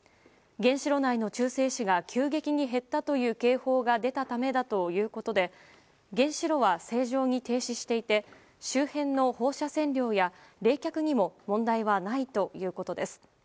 原子炉内の中性子が急激に減ったという警報が出たためだということで原子炉は正常に停止していて周辺の放射線量や冷却にも問題はないということです。